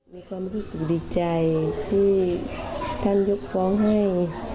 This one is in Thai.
มีความรู้สึกดีใจที่ท่านยกฟ้องให้